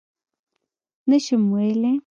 _نه شم ويلای.